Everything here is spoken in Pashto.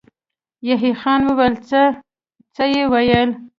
يحيی خان وويل: څه يې ويل؟